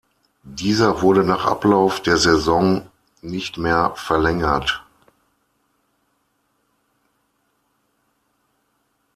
Dieser wurde nach Ablauf der Saison nicht mehr verlängert.